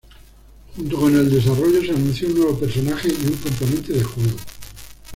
Junto con el desarrollo, se anunció un nuevo personaje y un componente de juego.